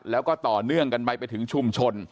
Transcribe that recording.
แล้วก็ต่อเนื่องกันไปไปถึงชุมชน